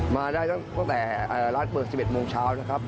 มาได้ตั้งแต่ร้านเปิด๑๑โมงเช้านะครับ